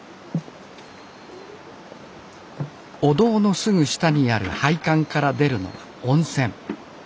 お堂のすぐ下にある配管から出るのは温泉。